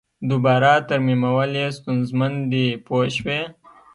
دوباره ترمیمول یې ستونزمن دي پوه شوې!.